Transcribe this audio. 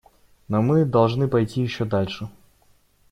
Но мы должны пойти еще дальше.